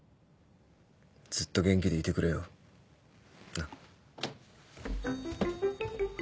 ずっと元気でいてくれよなっ。